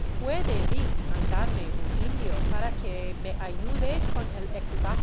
Puede V. mandarme un indio para que me ayude con el equipaje?"